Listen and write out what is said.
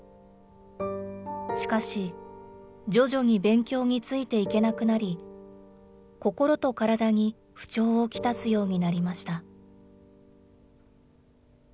しかし、徐々に勉強についていけなくなり、心と体に不調を来すようになりました。